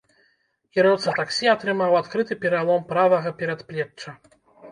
Кіроўца таксі атрымаў адкрыты пералом правага перадплечча.